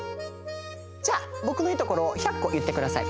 じゃあぼくのいいところを１００こいってください。